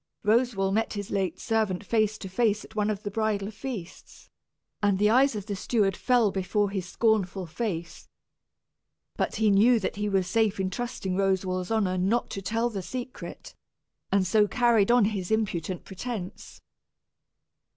Roswal met his late servant face to face at one of the bridal feasts, and the eyes of the steward fell before his scornful gaze. But he knew that he was safe in trusting Roswal's honor not to tell the secret, and so carried on his impudent pretence.